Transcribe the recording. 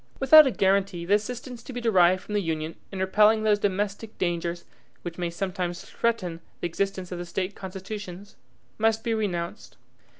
Without a guaranty the assistance to be derived from the Union in repelling those domestic dangers which may sometimes threaten the existence of the State constitutions, must be renounced.